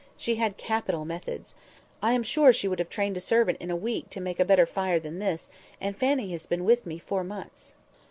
She had capital methods. I am sure she would have trained a servant in a week to make a better fire than this, and Fanny has been with me four months."